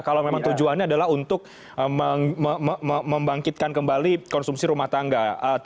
kalau memang tujuannya adalah untuk membangkitkan kembali konsumsi rumah tangga